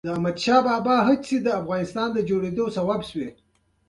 د احمد شاه بابا هڅې د افغانستان د جوړېدو سبب سوي.